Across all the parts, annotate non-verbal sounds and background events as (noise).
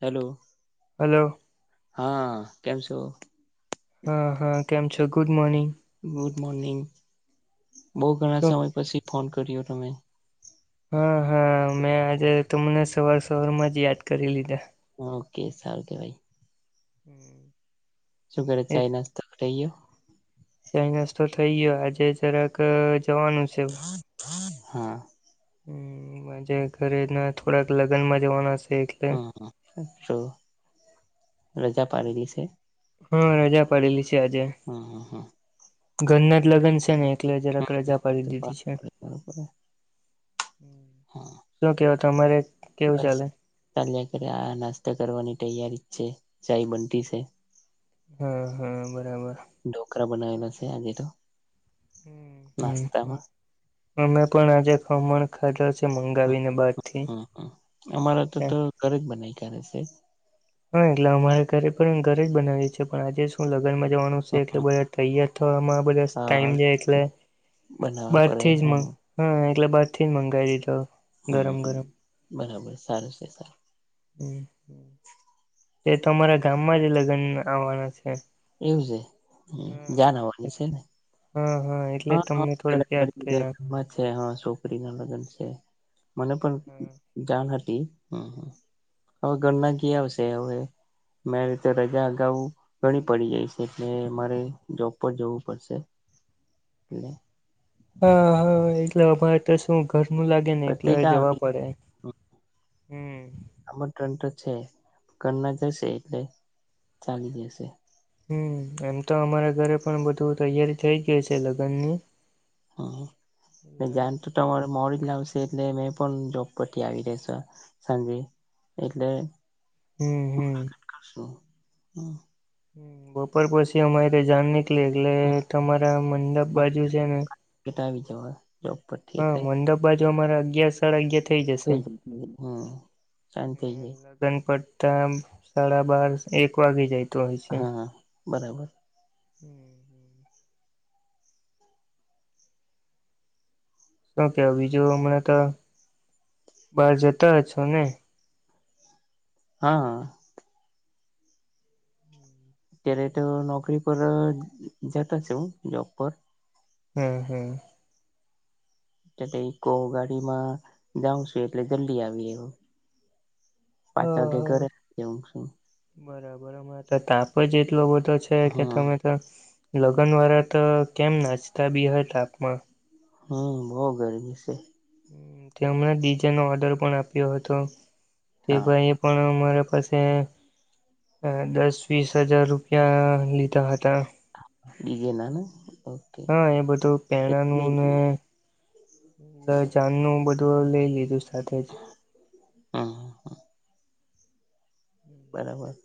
Hello. Hello હા કેમ છો? હા હા કેમ છો ગુડ મોર્નિંગ. ગુડ મોર્નિંગ બહુ ઘણા શું સમય પછી ફોન કર્યો તમે. હા હા મેં આજે તમને સવાર સવારમાં જ યાદ કરી લીધા. ઓકે સારું કહેવાય. હમ્મ. શું કરે ચાઈ નાસ્તો કરાઈ ગયો. ચાઇ નાસ્તો થઇ ગયો આજે જરાક જવાનું છે. હા. મજા ઘરે ના થોડાક લગ્ન મા જવાનાસે હમ તો રજા પારેલી છે. હા રજા પડેલી છે આજે. હા હા હા. ઘરના જ લગ્ન છે ને એકલે હ જરક હા રજા પાડી દીધી છે. બરોબર હા શું કેવ તમારે? કેવું બસ ચાલે ચાલ્યા કરે આ નાસ્તા કરવાની તૈયારી જ છે ચાય બનતી છે. હા હા બરાબર. ઢોકળા બનાવેલા છે આજે તો હમ નાસ્તામાં. અમે પણ આજે ખમણ ખાધા છે હમ મંગાવીને બાર થી. હમ અમારા તો તો ઘરે જ બનાઈ કરે છે. હા એટલે અમારે ઘરે પણ ઘરે જ બનાવીએ છી છે પણ આજે શું લગ્નમાં જવાનું એટલે હા બધ તૈયાર થવામાં બધા હા ટાઈમ જાય એટલે બનાવવા પડે બારથી હમ જ હા એટલે બાર થી જ મંગાવી દીધો. હમ ગરમ હ ગરમ બરાબર સારું છે સારું. હ તે તો અમારા ગામમાં જ લગ્ન આવવાના છે. એવું છે હમ જાન આવાની છેને? હા એટલે હા તમને થોડાક યાદ કર્યા (unintelligible) છે હા છોકરી ના લગ્ન છે મને પણ જાણ હતી હમ. હવે ઘરના ક આવશે હવે મે રીતે રજા અગાઉ. ઘણી પડી જાય છે એટલે મારે જોબ પર જવું પડશે એટલે હા હા એટલે અમારે તો શું ઘરનું લાગે ને એટલે પત્રિકા આવે જવા પડે. હમ આમ ત્રન તો છે ઘરના જશે એટલે ચાલી જશે. હમ એમ તો અમારા ઘરે પણ બધું તૈયારી થઇ ગય છે લગ્ન ની. હ જન તો તમારે મોડી જ લાવશે એટલે મેં પણ જોબ પરથી આવી રેસો. સાંજે એટલે હમ હમ હ (unintelligible) હ બપોર પછી અમારે જણ નીકળ એટલે તમારા મંડપ બાજુ છે ને કેટાવી જવા જોબ પરથી હા એટલે મંડપ બાજુ અમારે અગિયાર સાડા અગિયાર થઈ જાય હ શાંતી થઈ જાય દનપટતા સાડા બાર એક વાગે જાય. હા બરાબર. (inaudible) શુ કેવુ બીજું હમણાં તો બાર જતા હ છો ન હા. ક્યારે તો નોકરી પર જતા છે હું જોબ પર. હમ હમ એલે એક ગાડીમાં જાઉં છું એટલે જલ્દી આવી રહું હ પાંચ વાગ્યા ઘરે હું શું. બરાબર તો તાપ જ એટલો બધો છે કે હા તમે લગ્ન વાળા તો કેમ નાચતા બી હોય તાપમા. હમ બહ ગરમી છે. મને ડીજા નો ઓર્ડર પણ આપ્યો હતો તે હા ભાઈ પણ મારા પાસે અ દસ વીસ હજાર રૂપિયા લીધા હતા ગગ નાનું હા એ બધું પેણાનું ને જાનનુંું બધું લઈ લીધું સાથે જ હા હા હા બરાબર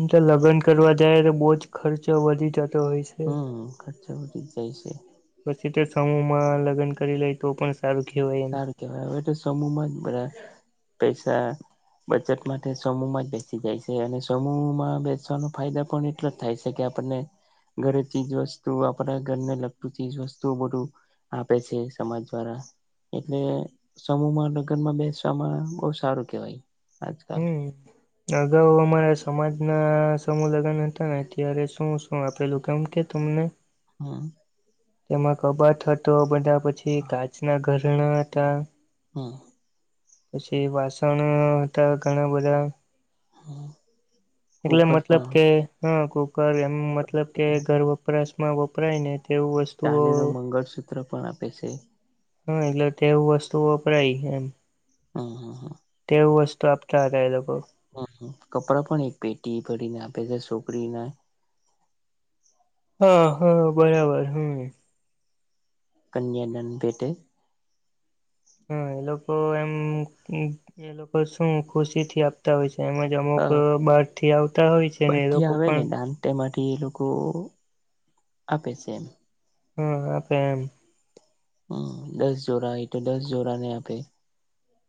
એમ તો લગ્ન કરવા જાય તો બહુ જ ખર્ચો વધી જતો હોય છે. હમ ખર્ચા વધી જ જાય છે. પછી તો સમૂહમાં લગ્ન કરી લે તો પણ સારું કહેવાય એમ કે એ તો સમૂમાં જ બરા પૈસા બચત માટે સમૂહમાં જ બેસી જાય છે, અને સમૂહમાં બેસવાનો ફાયદા પણ એટ થાય છે, કે આપણને ઘરે ચીજ વસ્તુ આપણા ઘરને લગતું ચીજ વસ્તુ બધું આપે છે સમાજ દ્વારા એટલે સમૂહમાં લગ્ન માં બેસવામાં બહુ સારું કેવાય આજકાલ હમ અગાઉ અમારા સમાજના સમૂહ લગ્ન હતા ને અત્યારે શું શું આપેલું કેમ કે તમને હા તેમાં કબાત હતો બધા પછી કાચના ઘરણા હતા હા પછી વાસણ હતા ઘણા બધા હા એટલે મતલબ કે હા કુકર એમ મતલબ કે ઘર વપરાશ માં વપરાયને તેવુંસ્ત ચાંદ નું મંગળસૂત્ર પણ આપે છે. હા એટલે તેવું વસ્તુ વપરાય એમ હા હા હા તેવું વસ્તુ આપતા હતા એ લોકો કપડા પણ એક પેટી ભરીને આપે છે છોકરી ના હા હા બરાબર હમ કન્યાનાંદ પેટે હા એ લોકો એમ એ લોકો શું ખુશી થી આપતા હોય છે, એજ જમોક હા બહાર થી આવતા હોય છે, ને એ લોકો પણ તેમાંથી એ લોકો આપે છે, એમ હા તો એમ હ દસ જોરા હોય તો દસ જોરા ને આપે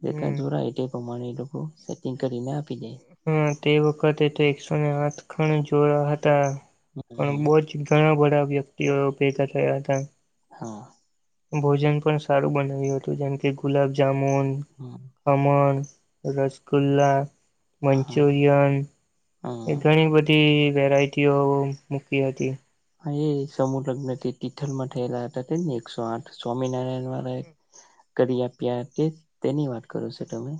જેટલા હમ જોરાય તે પ્રમાણે એ લોકો સેટિંગ કરીને આપી દે હા તે વખતે તો એકસોને આઠ ખણ જોડા હતા પણ હમ બહ જ ઘણા બધા વ્યક્તિઓ ભેગા થ્યા હતા હા ભોજન પણ સારું બનાવ્યું હતું જેમ કે ગુલાબ જામુન હા. અમન, રસગુલ્લા. હા મંચુરિયન એ હા ઘણી બધી વેરાયટીઓ મૂકી હતી. હા, એ સમૂહ લગ્ન થી તિથલ માં થયેલા હતા ને, એકસો આઠ સ્વામિનારાયણ વાળા. કદી આપ્યા કે તેની વાત કરો છો તમે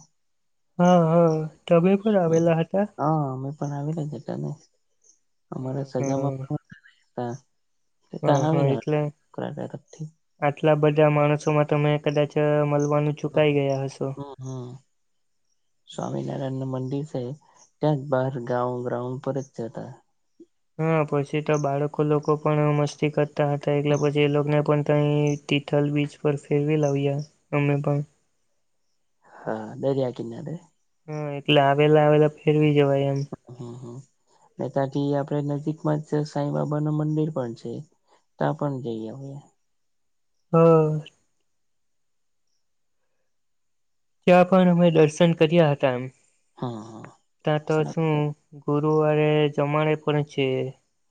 હા હા તમે પણ હમ આવેલા હતા હા અમે પણ આવી લેટને અમારે હ સજામાં હ ત્યા હ આવેલા એટલે આટલા બધા માણસોમાં તમે કદાચ મળવાનું ચુકાઈ હા ગયા હશો હા હા સ્વામિનારાયણ નું મંદિર છે ત્યાં જ બહાર ગાઉ ગ્રાઉન્ડ પર જ જતા હા, પછી તો બાળકો લોકો પણ મસ્તી કરતા હતા, એટલે પછી એ લોકોને પણ કંઈ તિથલ બીચ પર ફેરવી લાવ્યા અમે પણ. હા, દૈર આકનેે. હમ, એટલે આવેલા આવેલા ફેરવી જવાય એમ. હમ, હ, અને ત્યાંથી આપડે નજીકમાં જ સાંઈ બાબા નું મંદિર પણ છે. ત પણ જઈ હ. હમ. ત્યાં પણ અમે દર્શન કર્યા હતા. એમ હા હા ત્યાં તો સારું શું છે ગુરુવારે જમાડે પણ છે.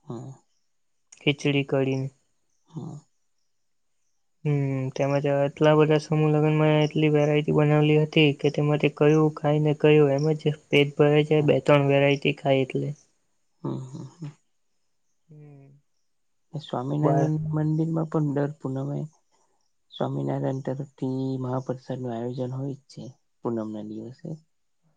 હા. ખિચડી કડીને હા. હમ, તેમજ એટલા બધા શ લગનમાં એટલી વેરાયટી બનાવલી હતી કે તેમાં કયું ખાઈને ક્યું એમજ પેટ ભરે છે, બે-ત્રણ વેરાયટી ખાય એટલે. હા, હા, હા. હમ. સ્વામિનારાયણ મંદિર માં પણ દર પૂનમે સ્વામિનારાયણ તરફ થી મહાપ્રસાદ નું આયોજન હોય જ છે, પૂનમ ના દિવસે.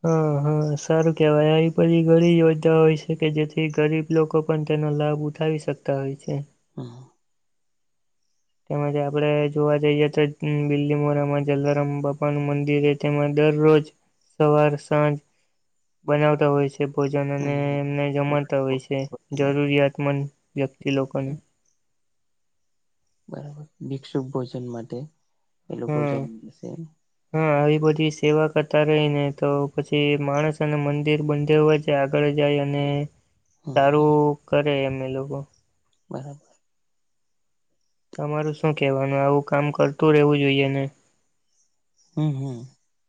હા હા, સારું કહેવાય. આ બધી ઘણી યોજના હોય છે, કે જેથી ગરીબ લોકો પણ તેનો લાભ ઉઠાવી શકતા હોય છે. હા. તેમજ આપડે જોવા જઈએ તો, બીલીમોરામાં જલારામ બાપાનું મંદિર, તેમાં દરરોજ સવાર સાંજ બનાવતા હોય છે. તે ભોજન, અને હમ એમને જમતા હોય છે, જરૂરિયાતમંદ વ્યક્તિ લોકોને બરાબર, ભિક્ષુભ ભોજન માટે એ લોકો હા જમશે. હા, આવી બધી સેવા કરતા રહી ને તો પછી માણસ અને મંદિર બાંધવા જ. આગળ જાય, અને હમ સારું કરે એમ એ લોકો. બરાબર. તમારું શું કહેવાનું, આવું કામ કરતું રહેવું જોઈએ ને? હમ, હમ.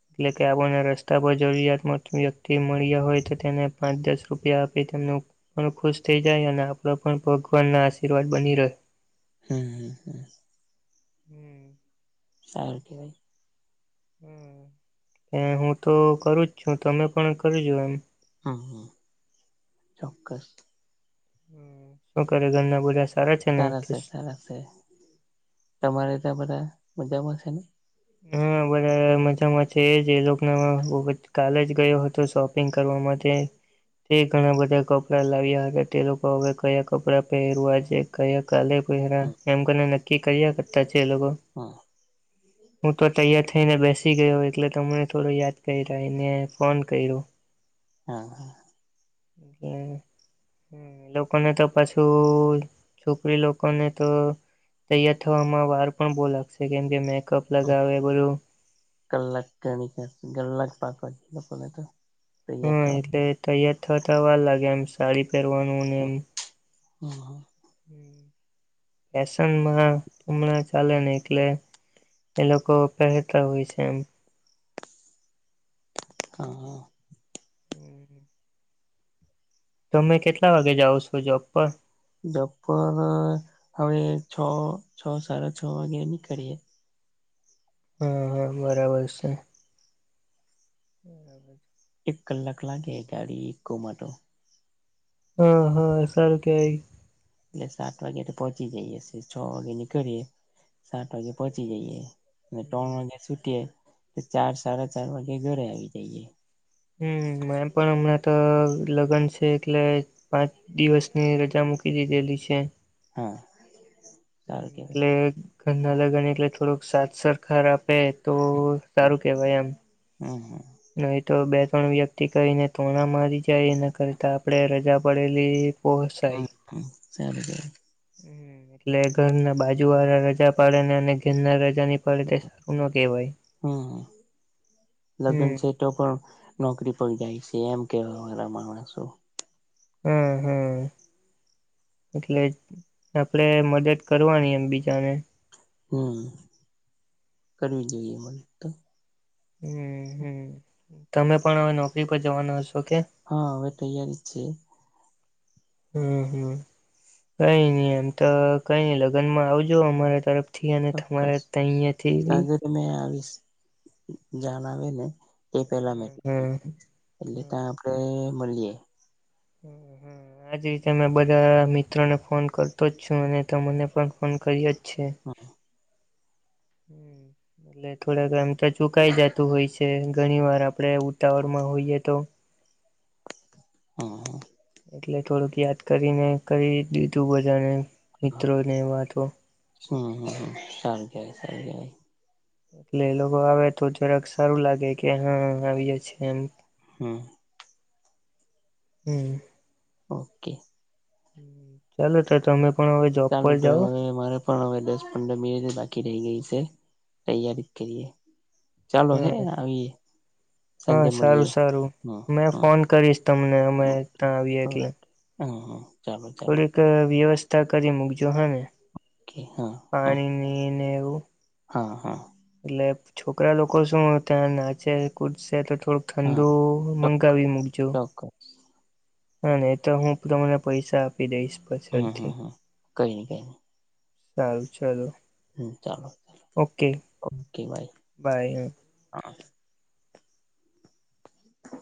એટલે કે, આપણને રસ્તા પર જરૂરિયાતમંદ વ્યક્તિ મળ્યા હોય તો, તેને પાંચ દસ રૂપિયા આપી તેમનું. પણ ખુશ થઇ જાય, અને આપડે પણ ભગવાન ના આશીર્વાદ બની રહે. હમ, હમ, હમ. સારું કેવાઈ. હમ. એ, હું તો કરું જ છું. તમે પણ કરજો એમ. હમ, ચોક્કસ. શું કરે ઘરના બધા? સારા છે, સારા છે. તમારા ઘરે બધા કેવા છે? હા બો મજામાં છે જે લોકો કલે જ ગયો હતો શોપિંગ કરવા માટે તે ઘણા બધા કપડા લાવ્યા હતા તે લોકો હવે કયા કપડાં પહેરવા છે ક કાલે હમ એમ કને નક્કી કર્યા કરતા છે એ લોકો હા. હું તો તૈયાર થઈને બેસી ગયો, એટલે તમને થોડો યાદ કરી ને ફોન કર્યો. હા. એ. હમ, એ લોકોને તો પાછું છોકરી લોકોને તો તૈયાર થવામાં વાર પણ બહુ લાગશે, કેમ કે મેકઅપ લગાવે બધું કલાકણી ગલાક પા લોકોને તો (unintelligible) તૈયાર હા થવા એટલે તૈયાર થતાતા વાર લાગે એમ સાડી પહેરવાનું ને એમ હમ હા ફનમાં હમણાં ચાલે ને એટલે એ લોકો પેટ હોય છે એમ હા હમ તમે કેટલા વાગે જાઓ છો જોબ પર બપ્પર હવે છ છ સાડા છ વાગે નીકળીએ હા હા બરાબર છે બરાબર છે એક કલાક લાગે ગાડી ઈકો માં તો હા હા સારું કેવાય એટલે સાત વાગે પહોંચી જઈએે છ વાગે નીકળીે સાત વાગે પહોંચી જઈએ અને ત્રણ વાગે છૂટી તો ચાર સાડા ચાર વાગે ઘરે આવી જઈએ હમ મેમ પણ હમણાં તો લગ્ન છે એટલે પાંચ દિવસની રજા મૂકી દીધેલી છે હા સારું કેવાય એટલે ઘરના લગન એટલે થોડુંક સાદ સરરખાર આપે તો સારું કેવાય એમ હમ હમ નહી તો બે ત્રણ વ્યક્તિ કહીને તોણા મારી જાય એના કરતા આપડણે રજા પડેલી હમ પોસાય હમ સારું કેવાય હ એટલે ઘરના બાજુ વાળા રજા પાડે ને અને ઘેરના રજાની સારું ન કેહેવાય હમ લગ્ન હમ છે તો પણ નોકરી પર જાય છે એમ કેવા માણ છો હમ હમ એટલે આપડે મદદ કરવાની એમ બીજાને હમ કરવી જોઈએ મને તો હમ હમ તમે પણ હવે નોકરી પર જવાનો હશો કે હા હવે તૈયારી જ છે હમ હમ કઈ નઈ એમ તો કઈ નઈ લગ્નમાં આવજો અમારે તરફ અને તમારા તહીંયાથી બી આવી જણાવ ને એ પેલા મે હમ હમ એટલે ત્યાં આપડે મળીએ હમ હમ આજ રીતે મે બધા મિત્રોને ફોન કરતો જ છું અને તમને પણ ફોન કર્યો જ છે હા (inaudible) એટ થોડાક આમ તો ચુકાઈ જતું હોય છે ઘણી વાર આપણે ઉતાવળમાં હોઈએ તો હા એટલે થોડુંક યાદ કરીને કરી દીધું બધાને હમ મિત્રો ને વાતો હમ સારી જાય સારી જ એટલે એ લોકો આવે તો જરાક સારું લાગે કે હા આવીયે એમ હમ હમ ઓકે હમ (unintelligible) ચાલો તો તમે પણ હવે જોબ ચાલુ પર તો જાઓ હવે મારે પણ હવે દસ પંદર મિનિટ બાકી રહી ગઈ છે તૈયારી કરીએ. ચાલો હે હા આવીએ. હા સાંજે સારું મળીએ સારું હમ મેં હમ ફોન કરીશ તમને અમે ત્યાં આવીએ એટલે. હા હા ચાલો ચાલો થોડીક વ્યવસ્થા કરી મૂકજો હા ને. ઓકે હા હા પાણીની ને એવું. હા હા એટલે છોકરા લોકો શું ત્યાં નાચે કૂદસે તો થોડુંક. હા ઠંડૂ મંગાવી મૂકજો. ચોક્કસ હા એ તો હું તમને પૈસા આપી દઈશ હમ હમ પાછળથી હમ કઈ નઈ કઈ નઈ સારું ચલો ચાલો ઓકે ઓકે બાય. બાય હ હા (unintelligible)